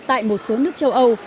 tại một số nước châu âu